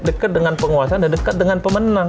dekat dengan penguasaan dan dekat dengan pemenang